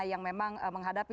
yang memang menghadapi